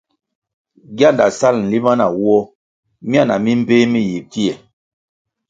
Gianda sal na nlima nawoh miana mi mbpéh mi yi pfie.